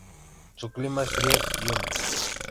Su clima es frío y húmedo.